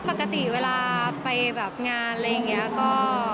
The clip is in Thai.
ปกติเวลาไปแบบงานอะไรอย่างนี้ก็